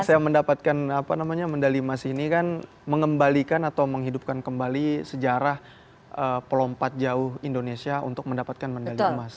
saya mendapatkan apa namanya medali emas ini kan mengembalikan atau menghidupkan kembali sejarah pelompat jauh indonesia untuk mendapatkan medali emas